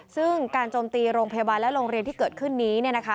ซึ่งการโจมตีโรงพยาบาลและโรงเรียนที่เกิดขึ้นนี้